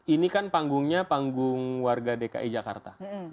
ini kan panggungnya panggung warga dki jakarta